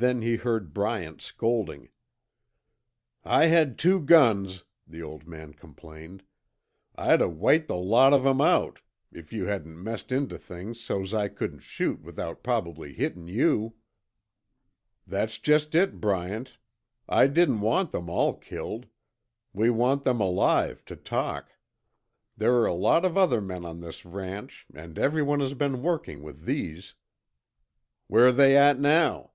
Then he heard Bryant scolding. "I had two guns," the old man complained. "I'd o' wiped the lot o' them out, if you hadn't messed intuh things so's I couldn't shoot without prob'ly hittin' you!" "That's just it, Bryant. I didn't want them all killed. We want them alive to talk! There are a lot of other men on this ranch and everyone has been working with these." "Where they at now?"